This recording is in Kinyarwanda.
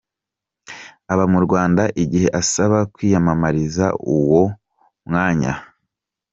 aba mu Rwanda igihe asaba kwiyamamariza uwo mwanyaâ€ .